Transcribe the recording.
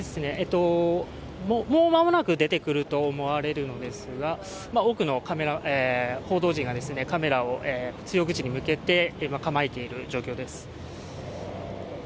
もう間もなく出てくると思われるんですが、多くのカメラ報道陣がカメラを通用口に向けて今、構えている状況です。